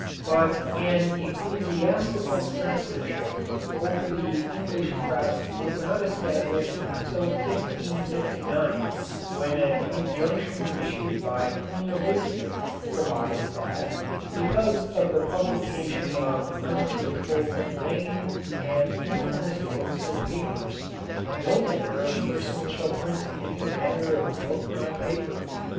But an ecclesiastical censorship over the English press was not established until 1559, when an Injunction issued by Queen Elizabeth provides that, because of the publication of unfruitful, vain, and infamous books and papers, "no manner of person shall print any manner of boke or paper